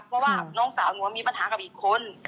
เพราะว่าน้องสาวหนูมีปัญหากับอีกคน